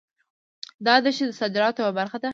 دا دښتې د صادراتو یوه برخه ده.